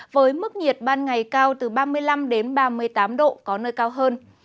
với mức nhiệt ban ngày cao từ ba mươi năm đến ba mươi tám độ có nơi cao hơn